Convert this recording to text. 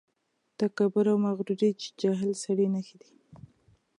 تکبر او مغروري د جاهل سړي نښې دي.